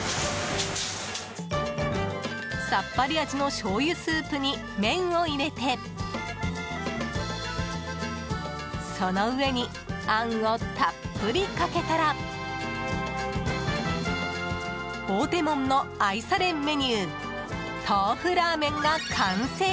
さっぱり味のしょうゆスープに麺を入れてその上に、あんをたっぷりかけたら大手門の愛されメニュー豆腐ラーメンが完成。